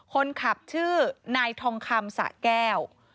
คนขับชื่อนายทองคำสะแก้ว